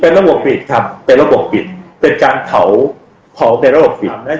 เป็นระบบปิดครับเป็นระบบปิดเป็นการเผาเป็นระบบปิด